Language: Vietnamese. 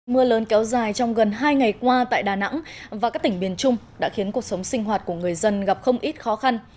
mưa lớn kéo dài trong gần hai ngày qua tại đà nẵng và các tỉnh biển trung đã khiến cuộc sống sinh hoạt của người dân gặp không ít khó khăn